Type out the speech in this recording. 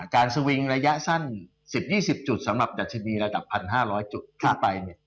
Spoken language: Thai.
สวิงระยะสั้น๑๐๒๐จุดสำหรับดัชนีระดับ๑๕๐๐จุดขึ้นไป